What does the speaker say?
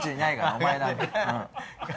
お前なんて。